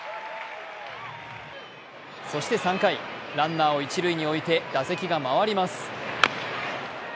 そして３回ランナーを一塁において打席が回ります。